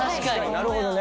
なるほどね。